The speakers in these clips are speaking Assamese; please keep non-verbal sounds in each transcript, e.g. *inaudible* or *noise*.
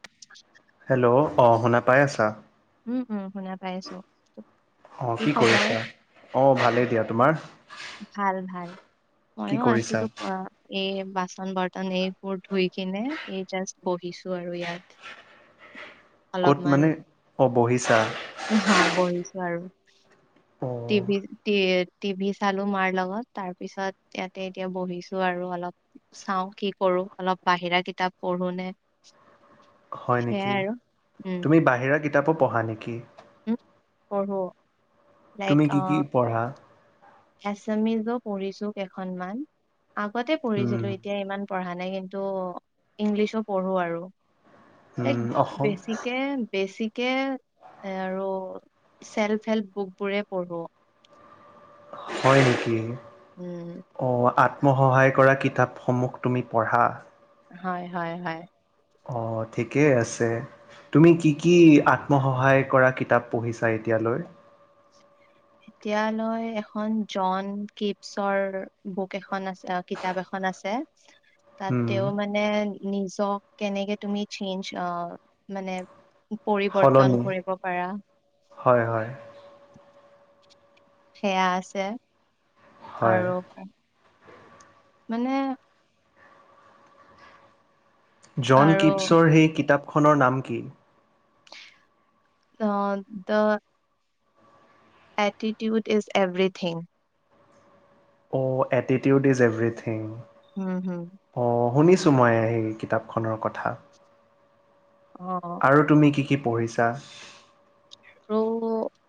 *inaudible* হেল্ল'। অ', শুনা পাই আছা? উম, উম, শুনা পাই আছো। অ কি খবৰ? কৰিছা অ ভালেই দিয়া তোমাৰ ভাল, ভাল। কি ময়ো কৰিছা আছিলো পুৱা। এই বাচন বৰ্তন এইবোৰ ধুই কিনে এই জাষ্ট বহিছো আৰু ইয়াত ক'ত মানে অ' বহিছা। হ, বহিছো আৰু অ টিভি টি টিভি চালো মাৰ লগত, তাৰ পিছত ইয়াতে এতিয়া বহিছো আৰু অলপ চাওঁ কি কৰোঁ। আৰু অলপ বাহিৰা কিতাপ পঢ়োনে হয় নেকি? তুমি বাহিৰা কিতাপো পঢ়া নেকি? উম, পঢ়ো। তুমি কি কি পঢ়া? এচামিজো পঢ়িছো কেইখনমান, আগতে উম পঢ়িছিলো এতিয়া ইমান পঢ়া নাই, কিন্তু ইংলিছো পঢ়ো আৰু। তাইক উম অসম বেছিকে, বেছিক এ আৰু চেল্ফ হেল্প বুক বোৰে পঢ়ো। হয় নেকি উম অ' আ মই সহায় কৰা কিতাপসমূহ তুমি পঢ়া। হয়, হয়, হয়। অ' ঠিকেই আছে, তুমি কি কি আত্মসহায় কৰা কিতাপ পঢ়িছা এতিয়া। এতিয়ালৈ এতিয়ালৈ এখন জন কিপছৰ বুক এখন আছে কিতাপ এখন আছে উম তাতে মানে নিজক কেনেকে তুমি চেঞ্জ অ' মানে পৰিৱৰ্তন সলনি কৰিব পাৰা। হয় হয় সেয়া আছে, হয় আৰু মানে জন আৰু কিপছৰ সেই কিতাপখনৰ নাম কি? অ' দা এটিটিউড ইজ এভৰিথিং। অ' এটিটিউড ইজ এভৰিথিং। উম, হম। শুনিছো, মই কিতাপখনৰ কথা অ আৰু তুমি কি কি পঢ়িছা। আৰু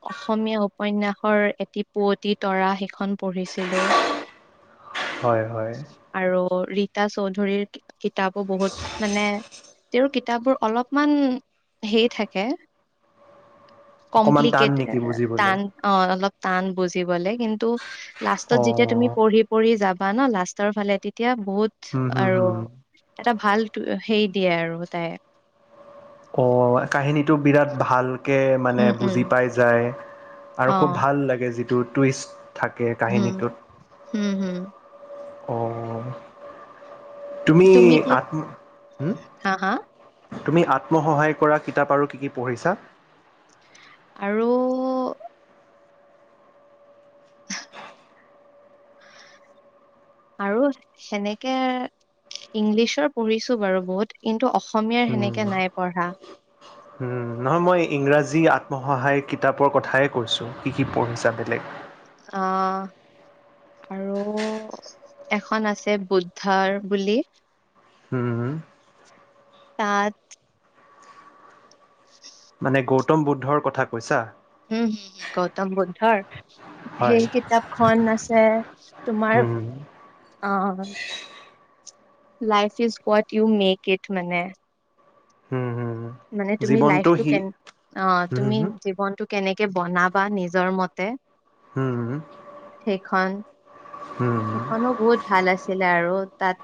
অসমীয়া উপন্যয়াসৰ এটি পুৱতি তৰা সেইখন পঢ়িছিলোঁ। হয়, হয়। ৰীতা চৌধুৰীৰ কিতাপো বহুত মানে তেওঁৰ কিতাপবোৰ অলপমান হেই থাকে। অকমান টান কম্পলিকেট নেকি বুজিবলে? টান অ' অলপ টান বুজিবলে, কিন্তু লাষ্টত যেতিয়া তুমি অ' পঢ়ি পঢ়ি যাবা ন লাষ্টৰ ফালে তেতিয়া এতিয়া বহুত হুম হুম আৰু হুম। এটা ভাল হেৰি দিয়ে আৰু তাই অ' কাহিনীটো বিৰাট ভাল। কে মানে উম উম বুজি পাই যায় আৰু অ খুব ভাল লাগে যিটো টুইষ্ট থাকে হম কাহিনীটোত হম হম অ' তুমি আত্ম হম হা হা তুমি আত্মসহায় কৰা কিতাপ আৰু কি কি পঢ়িছা। আৰু আৰু সেনেকে ইংলিছৰ পঢ়িছো বাৰু বহুত কিন্তু অসম অসমীয়াৰ হুম। সেনেকে নাই পঢ়া। উম, নহয়, মই ইংৰাজী আত্মসহায় কিতাপৰ কথাই কৈছো কি কি পঢ়িছা বেলেগ। আহ আৰু এখন আছে বুদ্ধাৰ বুলি। হম, উম। তাত মানে গৌতম বুদ্ধৰ কথা কৈছা। উম, হম, হম, গৌতম বুদ্ধৰ। হয়, সেই কিতাপখন আছে তোমাৰ উম, অহ। Life is what you make it মানে। উম, হুম। মানে তুমি লাইফটো কে অ' তুমি উম, জীৱনতটো কেনেকে বনাবা। বা নিজৰ মতে উম, ঈ। সেইখন সেইখনো বহুত ভাল আছিলে আৰু তাত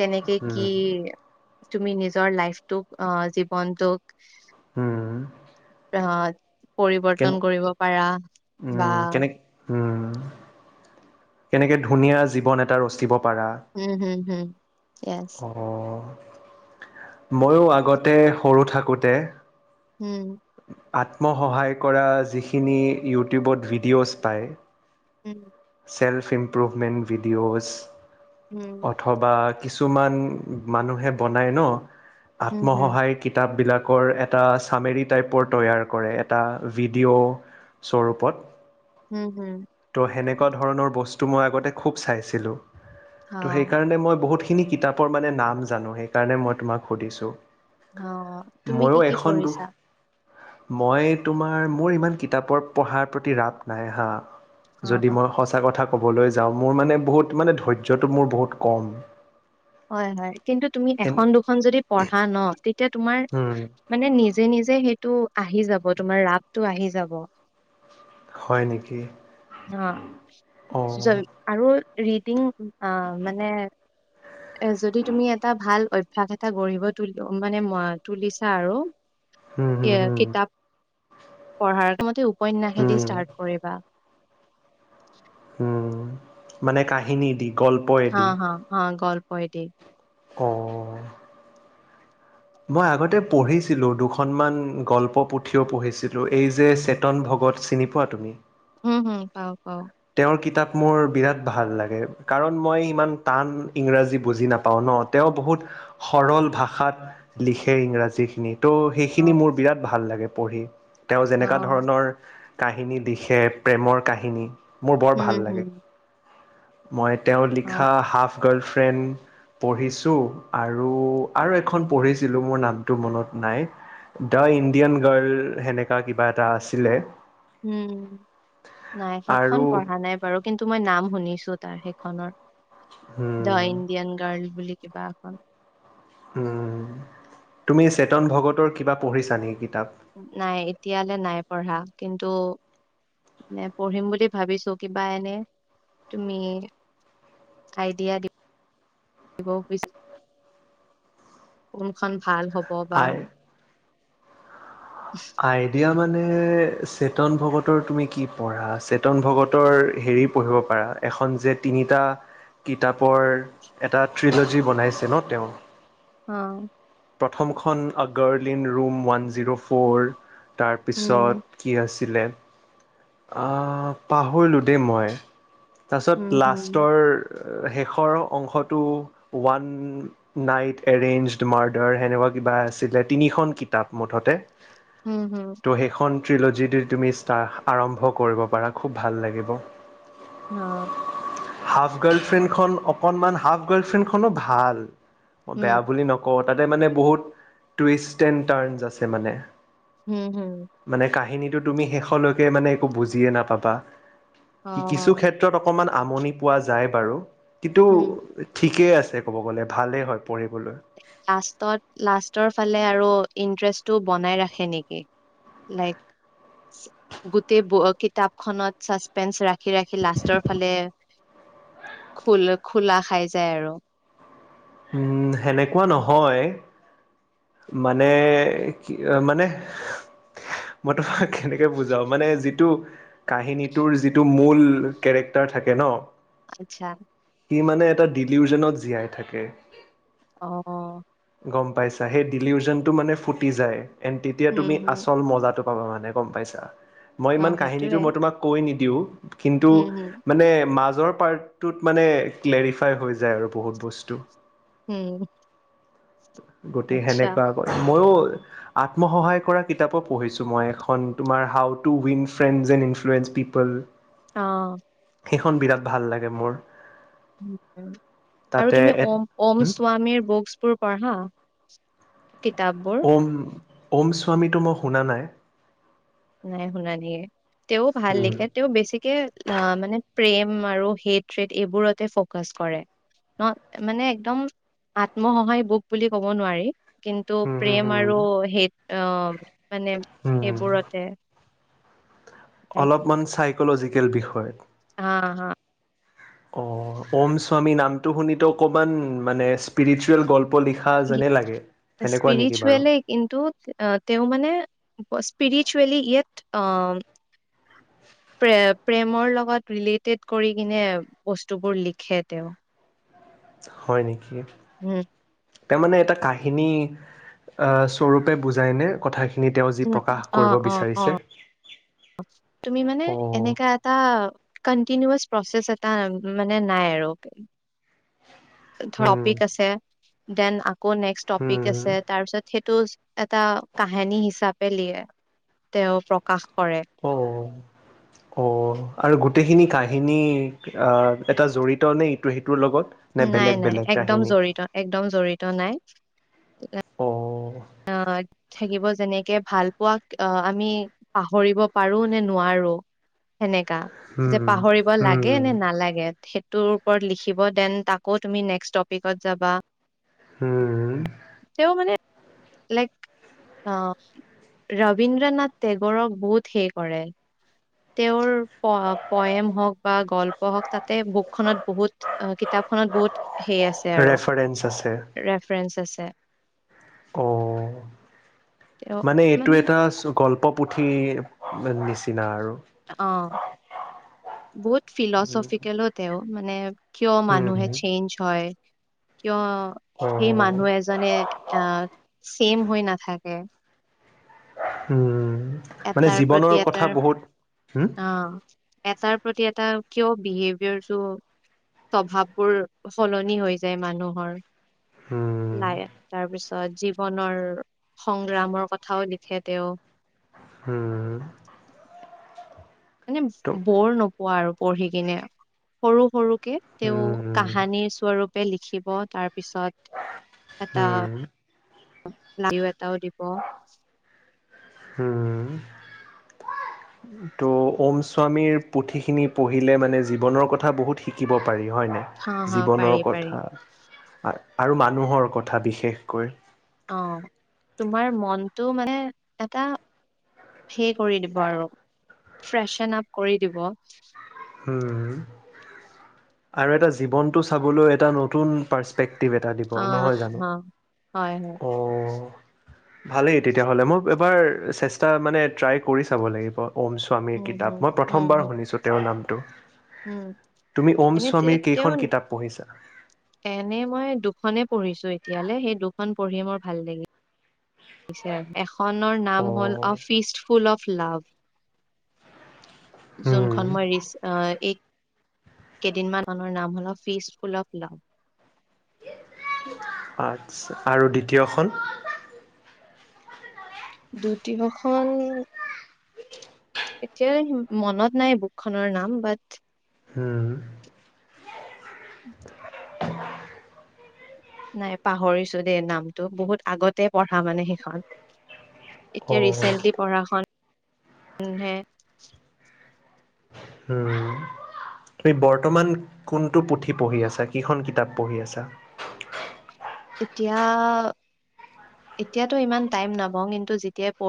কেনেকে উম, কি তুমি নিজৰ লাইফটোক অহ জীৱনটোক হম। আহ পৰিৱৰ্তন কৰিব পাৰা বা উম, কেনে উম, কেনেকে ধুনীয়া জীৱন এটা ৰচিব পাৰা, উম হম হম য়েছ অহ। মইয়ো আগতে সৰু থাকোতে উম। আত্মসহায় কৰা যিখিনি ইউটিউবত ভিডিঅ'জ পায়। উম। চেল্ফ ইমপ্ৰুভমেণ্ট ভিডিঅ'ছ হম অথবা কিছুমান মানুহে বনাই ন, হম হম আত্মসহায় কিতাপবিলাক। কৰ এটা চামেৰী টাইপৰ তৈয়াৰ কৰে, এটা ভিডিঅ' স্বৰূপত। হম, হম। তেনেকুৱা ধৰণৰ বস্তু মই আগতে খুব চাইছোঁ। অ ত' সেইকাৰণে মই বহুত খিনি কিতাপৰ মানে নাম জানোঁ, সেইকাৰণে মই তোমাক সুধিছোঁ। অহ, তুমি ময়ো কি কি এখন দু পঢ়িছা? মই তোমাৰ, মোৰ ইমান কিতাপৰ পঢ়াৰ প্ৰতি ৰাপ নাই হা। অ যদি মই সঁচা কথা ক'বলৈ যাওঁ। মোৰ মানে বহুত মানে ধৈৰ্যটো মোৰ বহুত কম। হয়, হয়। কিন্তু তুমি এনে এখন দুখন যদি পঢ়া ন এতিয়া তোমাৰ উম মানে নিজে নিজে সেইটো আহি যাব, তোমাৰ ৰাপটো আহি যাব। অহ, হয় নেকি অ *unintelligible* আৰু ৰিডিং অহ মানে এ যদি তুমি এটা ভাল অভ্যাস এটা গঢ়িব তুলি, মানে তুলিছা আৰু। হুম এ হুম হুম কিতাপ পঢ়াৰ মোৰ মতে, উপন্যাসেই দি হুম ষ্টাৰ্ট কৰিবা। উম, মানে কাহিনী দি। হা গল্পয়েদি হা হা। গল্পই দি। অহ। মই আগতে পঢ়িছিলোঁ দুখনমান গল্প পুথিও পঢ়িছিলোঁ, এই যে চেতন ভক্ত। ক'ত চিনি পোৱা তুমি? হম, হম। পাওঁ, পওঁ। তেওঁৰ কিতাপ মোৰ বিৰাট ভাল লাগে, কাৰণ মই ইমান টান ইংৰাজী বুজি নাপাওঁ ন। অহ, তেওঁ বহুত সৰল ভাষাত লিখে ইংৰাজীখিনি। ত' অ সেইখিনি মোৰ বিৰাট ভাল লাগে পঢ়ি। তেওঁ যেনেকুৱা ধৰণৰ কাহিনী দিখে প্ৰেমৰ কাহিনী, মোৰ বৰ উম ভাল লাগে। হুম মই তেওঁ লিখা হাফ গাৰ্লফ্ৰেণ্ড। পঢ়িছোঁ আৰু আৰু এখন পঢ়িছিলোঁ মোৰ নামটো মনত নাই। দা ইণ্ডিয়ান গাৰ্ল সেনেকা কিবা এটা আছিলে। উম, নাই সেইখন আৰু পঢ়া নাই বাৰু কিন্তু মই নাম শুনিছো তাৰ সেই দা উম ইণ্ডিয়ান গাৰ্ল বুলি কিবা এখন। উম, তুমি চেতন ভগতৰ কিবা পঢ়িছা নেকি? কিতাপ? নাই এতিয়ালৈ নাই পঢ়া কিন্তু। নে পঢ়িম বুলি ভাবিছো কিবা এনে তুমি। আইদিয়া দি ব' বিচ, কোনখন ভাল হ'ব বা আই এই চেতন ভগতৰ তুমি কি পঢ়া? চেতন ভগতৰ হেৰি পঢ়িব পাৰা এখন যে তিনিটা কিতাপৰ, এটা থ্ৰিলজি বনাইছে ন তেওঁ। অহ। প্ৰথমখন girl in room one zero four উম তাৰপিছত কি আছ অহ, পাহৰিলোঁ দেই মই। উম তাৰপিছত হুম লাষ্টৰ শেষৰ অংশটো ওৱান নাইট এৰেইঞ্জড মাৰ্ডাৰ সেনেকুৱা কিবা। বা আছিলে তিনিখন কিতাপ মুঠতে হম, হম। ত' সেইখন ট্ৰিল'জি দি তুমি ষ্টা আৰম্ভ কৰিব পাৰা খুব ভাল লাগিব। অ' হাফ গাৰ্ল ফ্ৰেণ্ডখন অকনমান হাফ গাৰ্লফ্ৰেণ্ডখনো ভাল। উম বেয়া বুলি নকওঁ তাতে মানে বহুত টুইষ্ট এণ্ টাৰ্ণ আছে মানে। হম, হম। কিন্তু তুমি শেষ লৈকে মানে একো বুজিই নাপাবা। অ কিছু ক্ষেত্ৰত অকণমান আমনি পোৱা যায় বাৰু। কিন্তু উম ঠিকেই আছে ক'ব গ'লে ভালেই হয়। পঢ়িবলৈ লাষ্টত, লাষ্টৰ ফালে আৰু ইণ্টাৰেষ্টটো বনাই ৰাখে নেকি। লাইক গোটেই কিতাপ খনত ছাছপেন্স ৰাখে। ৰাখি ৰাখি লাষ্টৰ ফালে খোল খোলা খাই যায় আৰু। উম, সেনেকুৱা নহয়। মানে কি মানে মই ত কেনেকে বুজাও, মানে যিটো কাহিনীটোৰ যিটো মূল কেৰেক্টাৰ থাকে ন। আচ্ছা। সি মানে এটা ডিলিউজনত জীয়াই থাকে। অহ' গ'ম পাইছা, সেই ডিলিউজনটো মানে ফুটি যায়, এন তেতিয়া উম তুমি হম আচল মজাটো অ' এনে গ'ম পাইছা, মই অ ইমান কাহিনীটো সেইটোয়ে মই তোমাক কৈ নিদিওঁ। কিন্তু উম হম মানে মাজ মাজৰ পাৰ্টটোত মানে ক্লেৰিফাই হৈ যায় আৰু বহুত বস্তু উম। গতিকে, আচ্ছা সেনেকুৱা ক মইয়ো। আত্মসহায় কৰা কিতাপ পঢ়িছো, মই এখন তোমাৰ হাউ টু উইনচ ফেনেজ ইনফ্লুৱেঞ্জ। পিপল আহ সেইখন বিৰাট ভাল লাগে মোৰ। উম, উম। আৰু তাতে তুমি ওম, ওম স্বামীৰ বুকছ বোৰ পঢ়া কিতাপবোৰ ওম ওম স্বামীটো মই শুনা নাই। নাই শুনা নিয়ে তেও ভাল লিখে তেওঁ বেছিকে আহ মানে প্ৰেম আৰু হেইত এইবোৰতে ফকাচ কৰে। ন মানে একদম আত্মসহায় বুক বুলি ক'ব নোৱাৰি। কিন্তু হুম হুম প্ৰেম আৰু হেই অ' মানে হুম হুম সেইবোৰত। অলপমান চাইকলজিকেল বিষয়ত। হা হা অ' ওম স্বামী নাম। শুনিটো অকনমান মানে ইচপেৰচিয়েল গল্প। লিখা যেনে লাগে। সেনেকুৱা নেকি বাৰু? ইচপিৰিচুৱলে কিন্তু তেওঁ মানে স্পিৰিচুৱেলি ইয়াত প্ৰে প্ৰেমৰ লগত ৰিলেটেড কৰি কিনে বস্তুবোৰ লিখে তেওঁ। হয় নেকি? উম তাৰমানে এটা কাহিনী আহ স্বৰূপে বুজাই নে কথাখিনি। তেওঁ যি উম, প্ৰকাশ কৰিব অ' অ' বিচাৰিছে? অ'। তুমি মানে এনে অ' এটা কন্তিনো প্ৰচেষ্ট আছে। তা মানে নাই আৰু হুম টপিক আছে, দেন আকৌ নেক্স টপিক হুম আছে, তাৰপিছত সেই তটো এটা কাহিনী হিচাপে লিয়ে তেওঁ প্ৰকাশ। কৰে অ' অ' আৰু গোট গোটেইখিনি কাহিনী এটা জৰিত নে ইটো সিটো নাই নাই একদম জড়িত, একদম জড়িত নাই। *unintelligible* অ' আহ থাকিব যেনেকে ভাল পোৱাক আমি পাহৰিব পাৰো নে নোৱাৰো। সেনেকা হুম যে পাহৰিব হুম লাগে নে নালাগে। সেইটোৰ ওপৰত লিখিব দেন তাকো তুমি নেক্সট টপিকত যাবা। উম। তেওঁ মানে লাইক আহ ৰবীন্দ্ৰ নাথ টেগৰক বহুত সেই কৰে। তেওঁৰ পয়েম হওকূ বা গল্প হওঁক তাতে বুক খনত বহুত কিতাপ খনত বহুত এই আছে আৰু ৰেফাৰেঞ্চ আছে ৰেফাৰেন্স আছে। অ' মানে এইটো এটা গল্প। পুঠি নিচিনা আৰু অ' বহুত ফিলচফিকেলো তেওঁ মানে কিয় মানুহে উম চেঞ্জ হয়। কিয় অ সেই মানুহ এজনে আহ ছেম হৈ নাথাকে। উম। মানে এটাৰ প্ৰতি জীৱনৰ কথা এটাৰ বহুত হম অ' এটাৰ প্ৰতি এটা কিয়। বিহেভিয়ৰ টো স্বভাৱ বোৰ সলনি হৈ যায় মানুহৰ। হম লাই আহ তাৰপিছত জীৱনৰ সংগ্ৰামৰ কথাও লিখে তেওঁ। উম। মানে বৰ নোপোৱা আৰু পঢ়ি কিনে সৰু সৰু। তেওঁ উম কাহানীৰ স্বৰূপে লিখিব তাৰ পিছত এটা হম *unintelligible* এটাও দিব। উম। ত' ওম স্বামীৰ পুথিখিনি পঢ়িলে মানে জীৱনৰ কথা বহুত শিকিব পাৰি। হয়নে, হা হা পাৰি জীৱনৰ পাৰি কথা আৰু মানুহৰ কথা বিশেষকৈ। অ' তোমাৰ মনটো মানে এটা হেই কৰি দিব আৰু ফ্ৰেচন আপ কৰি দিব। উম, আৰু এটা জীৱনটো চাবলৈ এটা নতুন পাচপেৰেকট *unintelligible* এটা দিব নহয় জানো হ হয় হয় অ' ভালেই তেতিয়া হ'লে মোক এবাৰ চেষ্টা মানে ট্ৰাই কৰি চাব লাগিব। ওম স্বামীৰ উম কিতাপ হম মই উম প্ৰথমবাৰ হম শুনিছোঁ তেওঁৰ নাম। উম তুমি ওম এনে স্বামীৰ তে- কেইখন তেওঁ কিতাপ পঢ়িছা। এনে মই দুখনে পঢ়িছো এতিয়ালৈ সেই দুখন পঢ়ি মোৰ ভাল লাগিল। এখনৰ নাম হ'ল অ' ফিষ্ট ফুল অফ্ লাভ। হুম যোনখন মই ৰিচ অহ'। কেইদিনমান মৰ নাম হ'ল ফিজ ফুল অফ্ লাভ। আচছা আৰু দ্বিতীয়খন। দ্বিতীয়খন এতিয়া মনত নাই বুক খনৰ নাম বাট উম। নাই পাহৰিছো দেই নামটো বহুত আগতে পঢ়া মানে সেইখন। এতিয়া অ' ৰিচেন্টলি পঢ়া খন হে উম। তুমি বৰ্তমান কোনটো পুথি পঢ়ি আছা, কিখন কিতাপ পঢ়ি আছা। এতিয়া, এতিয়াতো ইমান টাইম নাপাওঁ। কিন্তু যেতিয়াই পঢ়ো